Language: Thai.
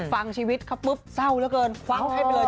ฟังชีวิตเขาปุ๊บเศร้าเยอะเกินควั้งให้ไปเลย๗๐๐๐